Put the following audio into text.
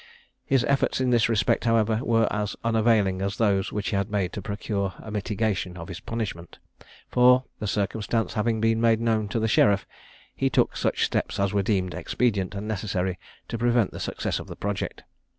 His efforts in this respect, however, were as unavailing as those which he had made to procure a mitigation of his punishment; for the circumstance having been made known to the sheriff, he took such steps as were deemed expedient and necessary to prevent the success of the project.